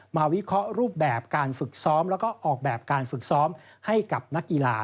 วิเคราะห์รูปแบบการฝึกซ้อมแล้วก็ออกแบบการฝึกซ้อมให้กับนักกีฬา